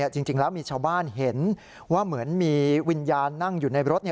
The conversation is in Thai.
จริงแล้วมีชาวบ้านเห็นว่าเหมือนมีวิญญาณนั่งอยู่ในรถ